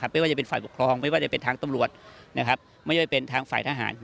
ไม่ว่าจะเป็นฝ่ายปกครองไม่ว่าจะเป็นทางตำรวจไม่ว่าเป็นทางฝ่ายทหาร